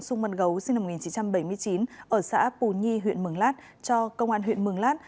sung mân gấu sinh năm một nghìn chín trăm bảy mươi chín ở xã pù nhi huyện mường lát cho công an huyện mường lát